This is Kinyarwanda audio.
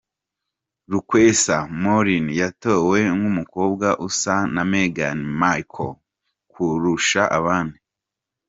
Lukwesa Morin yatowe nk'umukobwa usa na Meghan Markle kurusha abandi.